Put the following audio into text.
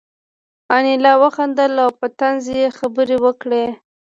انیلا وخندل او په طنز یې خبرې وکړې